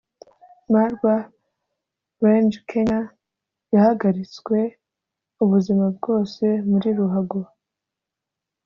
Marwa Range (Kenya) yahagaritswe ubuzima bwose muri ruhago